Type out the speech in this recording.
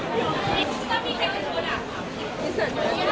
ขอบคุณพี่มาก